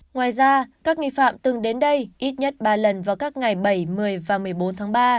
ngoài ra các nghi phạm từng đến đây ít nhất ba lần vào các ngày bảy một mươi và một mươi bốn tháng ba